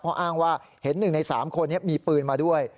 เพราะอ้างว่าเห็น๑ใน๓คนนี้มีปืนมาด้วย